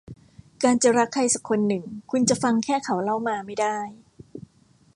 การจะรักใครสักคนหนึ่งคุณจะฟังแค่เขาเล่ามาไม่ได้